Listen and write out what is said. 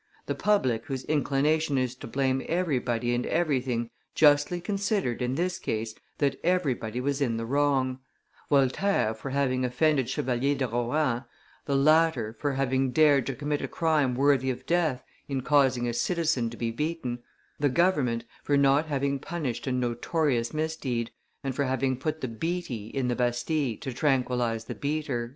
The public, whose inclination is to blame everybody and everything, justly considered, in this case, that everybody was in the wrong; Voltaire, for having offended Chevalier de Rohan; the latter, for having dared to commit a crime worthy of death in causing a citizen to be beaten; the government, for not having punished a notorious misdeed, and for having put the beatee in the Bastille to tranquillize the beater."